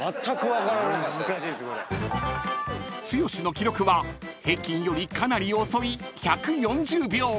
［剛の記録は平均よりかなり遅い］